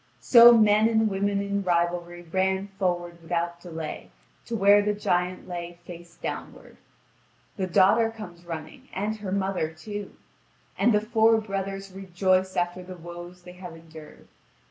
So men and women in rivalry ran forward without delay to where the giant lay face downward. The daughter comes running, and her mother too. And the four brothers rejoice after the woes they have endured.